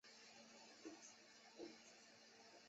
塞尔涅博人口变化图示